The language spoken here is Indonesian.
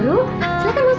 silahkan masuk silahkan masuk